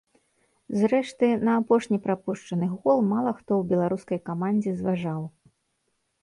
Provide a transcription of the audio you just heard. Зрэшты, на апошні прапушчаны гол мала хто ў беларускай камандзе зважаў.